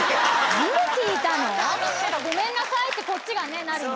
ごめんなさいってこっちがなる。